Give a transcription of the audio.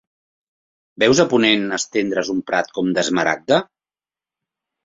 Veus a ponent estendre's un prat com d'esmaragda?